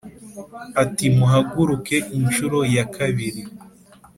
Ati:” Muhaguruke inshuro ya kabiri